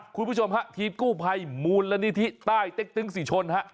คุณผู้ชมฮะทีศกู้ภัยมูลณิธิใต้เต๊กตึ้งสิทชน